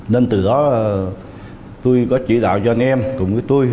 nên từ đó tôi có chỉ đạo cho anh em cùng với tôi